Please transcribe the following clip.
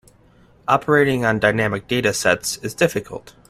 Operating on dynamic data sets is difficult.